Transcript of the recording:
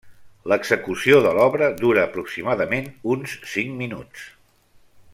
L'execució de l'obra dura aproximadament uns cinc minuts.